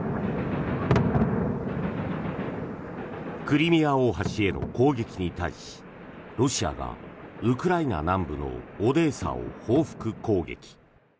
クリミア大橋への攻撃に対しロシアがウクライナ南部のオデーサを報復攻撃。